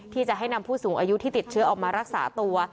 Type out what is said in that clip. ที่จะให้นำผู้สูงอายุที่ติดเชื้อออกมารักษาตัว